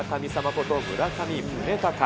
こと村上宗隆。